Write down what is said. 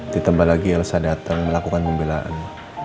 ditambah lagi elsa datang melakukan pembelaan